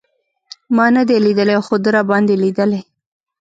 ما نه دی لېدلی خو ده راباندې لېدلی.